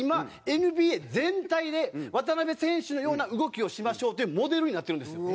今ＮＢＡ全体で渡邊選手のような動きをしましょうというモデルになってるんですよ。